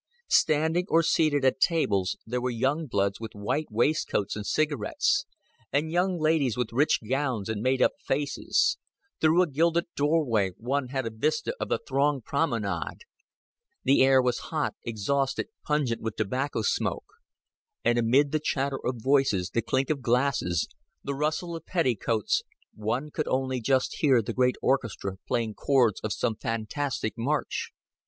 Standing or seated at tables, there were young bloods with white waistcoats and cigarettes, and young ladies with rich gowns and made up faces; through a gilded doorway one had a vista of the thronged promenade; the air was hot, exhausted, pungent with tobacco smoke; and amid the chatter of voices, the clink of glasses, the rustle of petticoats, one could only just hear the great orchestra playing chords of some fantastic march.